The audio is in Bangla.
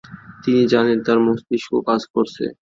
তিনি জানেন তাঁর মস্তিষ্ক কাজ করছে।